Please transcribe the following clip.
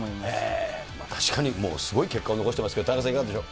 確かにもうすごい結果を残していますけど、田中さん、いかがでしょう。